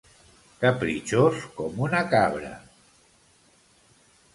Capritxós com una cabra.